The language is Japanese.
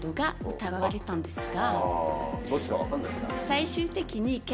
疑われたんですが。